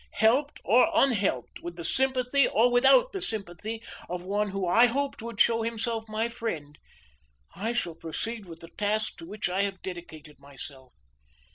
Helped or unhelped, with the sympathy or without the sympathy of one who I hoped would show himself my friend, I shall proceed with the task to which I have dedicated myself.